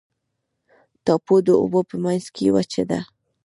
ټاپو د اوبو په منځ کې وچه ده.